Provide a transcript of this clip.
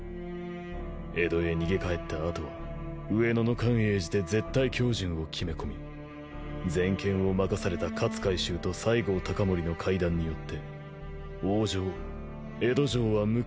江戸へ逃げ帰った後は上野の寛永寺で絶対恭順を決め込み全権を任された勝海舟と西郷隆盛の会談によって王城江戸城は無血開城となった。